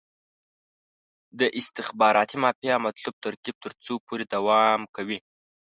د استخباراتي مافیا مطلوب ترکیب تر څو پورې دوام کوي.